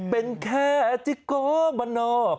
เป็นแคทิกโกมานอบ